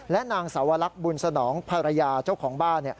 นางสาวลักษณ์บุญสนองภรรยาเจ้าของบ้าน